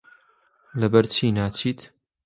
لەبەرچی ناچیت؟